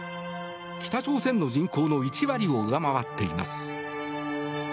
北朝鮮の人口の１割を上回っています。